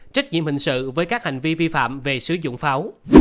trách nhiệm hình sự với các hành vi vi phạm về sử dụng pháo